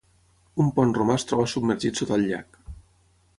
Un pont romà es troba submergit sota el llac.